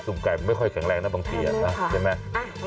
ุ่มไก่มันไม่ค่อยแข็งแรงนะบางทีนะใช่ไหม